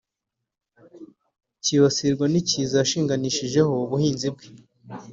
kibasirwa n’ikiza yashinganishijeho ubuhinzi bwe